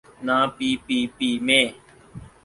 نہ پی پی پی میں۔